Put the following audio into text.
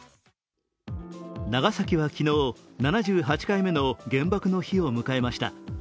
長崎は昨日、７８回目の原爆の日を迎えました。